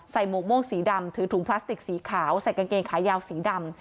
หมวกโม่งสีดำถือถุงพลาสติกสีขาวใส่กางเกงขายาวสีดำ